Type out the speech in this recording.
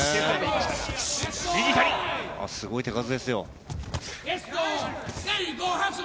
すごい手数ですよ。